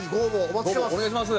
お待ちしてます。